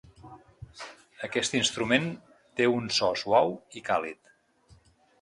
Aquest instrument té un so suau i càlid.